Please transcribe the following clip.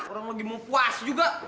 orang lagi mau puas juga